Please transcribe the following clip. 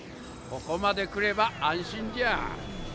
ここまで来れば安心じゃ。